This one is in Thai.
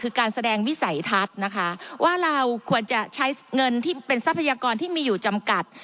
คือการแสดงวิสัยทัศน์นะคะว่าเราควรจะใช้เงินที่เป็นทรัพยากรที่มีอยู่จำกัด